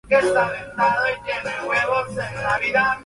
Posee un amplio salón de fiestas y un restaurante abierto al público.